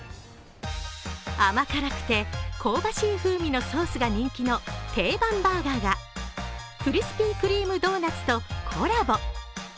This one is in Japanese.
甘辛くて香ばしい風味のソースが人気の定番バーガーがクリスピー・クリーム・ドーナツとコラボ。